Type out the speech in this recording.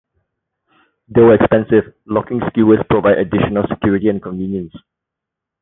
Though expensive, locking skewers provide additional security and convenience.